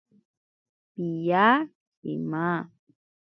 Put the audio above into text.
Piya shima.